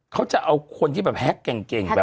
เขาจะเอาคนที่แฮคเก่ง